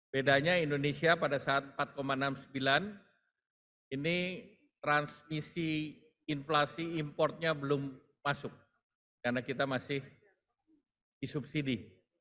bedanya indonesia pada saat empat enam puluh sembilan ini transmisi inflasi importnya belum masuk karena kita masih disubsidi